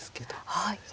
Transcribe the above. はい。